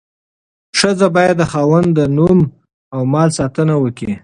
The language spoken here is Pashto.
ښځه باید د خاوند د نوم او مال ساتنه وکړي.